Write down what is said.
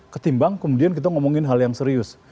ketimbang kemudian kita ngomongin hal yang serius